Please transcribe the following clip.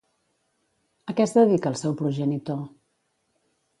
A què es dedica el seu progenitor?